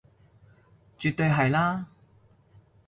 絕對係啦